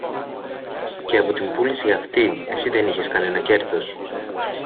Και από την πούληση αυτή εσύ δεν είχες κανένα κέρδος;